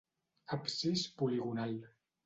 Absis poligonal.